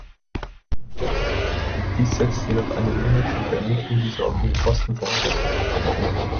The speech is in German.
Dies setzt jedoch eine monatliche Ermittlung dieser offenen Posten voraus.